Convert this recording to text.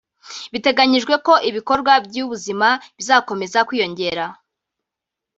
biteganijwe ko ibikorwa by’ubuzima bizakomeza kwiyongera